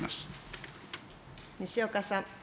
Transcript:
西岡さん。